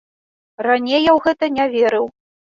Раней я ў гэта не верыў.